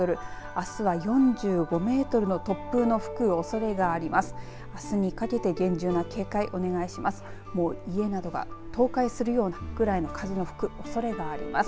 あすは４５メートルの突風の吹くおそれがあります。